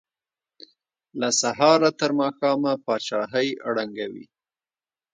له سهاره تر ماښامه پاچاهۍ ړنګوي.